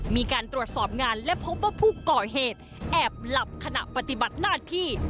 มีการตรวจสอบงานและพบว่าผู้ก่อเหตุแอบหลับขณะปฏิบัติหน้าที่